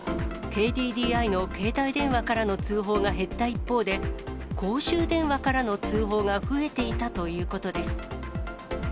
ＫＤＤＩの携帯電話からの通報が減った一方で、公衆電話からの通報が増えていたということです。